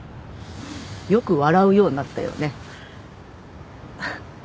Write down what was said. よく笑うようになったよね。